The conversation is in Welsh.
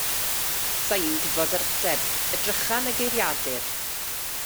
'Sa i'n gwbod yr ateb, edrycha yn y geiriadur.